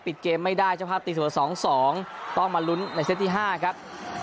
ปิดเกมไม่ได้เฉพาะตีเสมอสองสองต้องมาลุ้นในเซ็ตที่ห้าครับ